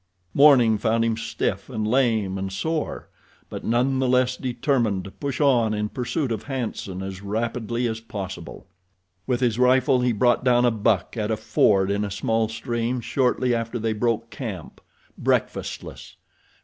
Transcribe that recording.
Morning found him stiff and lame and sore, but none the less determined to push on in pursuit of "Hanson" as rapidly as possible. With his rifle he brought down a buck at a ford in a small stream shortly after they broke camp, breakfastless.